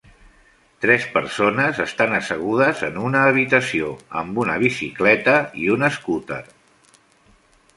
Tres persones estan assegudes en una habitació amb una bicicleta i una escúter.